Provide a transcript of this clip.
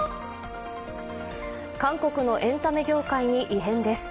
韓国のエンタメ業界に異変です。